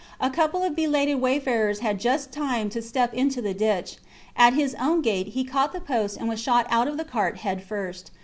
A couple of belated wayfarers had only just time to step into the ditch. At his own gate he caught the post and was shot out of the cart head first.